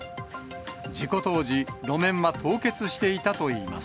事故当時、路面は凍結していたといいます。